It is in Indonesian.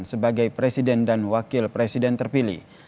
sebagai presiden dan wakil presiden terpilih